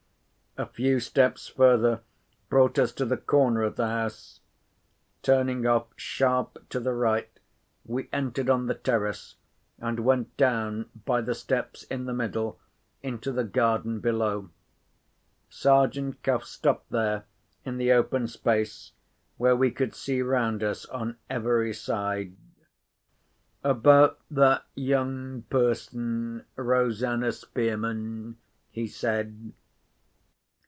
A few steps further brought us to the corner of the house. Turning off sharp to the right, we entered on the terrace, and went down, by the steps in the middle, into the garden below. Sergeant Cuff stopped there, in the open space, where we could see round us on every side. "About that young person, Rosanna Spearman?" he said.